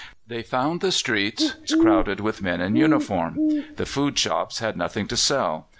They found the streets crowded with men in uniform. The food shops had nothing to sell.